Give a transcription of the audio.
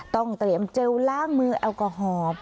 ต้องเตรียมเจลล้างมือแอลกอฮอล์